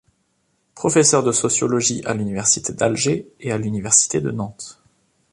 Professeur de sociologie à l'université d'Alger et à l'université de Nantes.